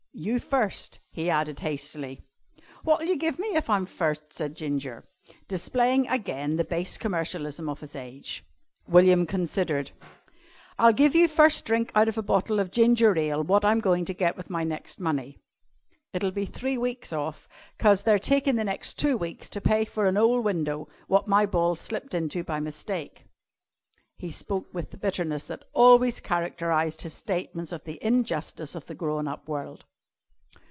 You first," he added hastily. "Wot'll you give me if I'm first?" said Ginger, displaying again the base commercialism of his age. William considered. "I'll give you first drink out of a bottle of ginger ale wot I'm goin' to get with my next money. It'll be three weeks off 'cause they're takin' the next two weeks to pay for an ole window wot my ball slipped into by mistake." He spoke with the bitterness that always characterised his statements of the injustice of the grown up world.